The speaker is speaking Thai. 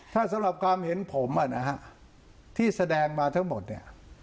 ถ้าสำหรับความเห็นผมที่แสดงมาทั้งหมดเนี่ย